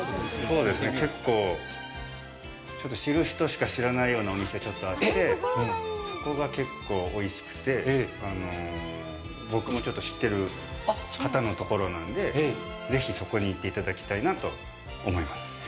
そうですね、結構、ちょっと知る人しか知らないようなお店があってそこが結構おいしくて僕もちょっと知ってる方のところなんでぜひそこに行っていただきたいなと思います。